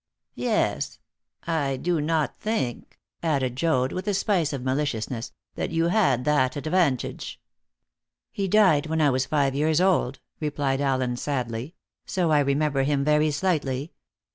"Yes; I do not think," added Joad, with a spice of maliciousness, "that you had that advantage." "He died when I was five years old," replied Allen sadly, "so I remember him very slightly.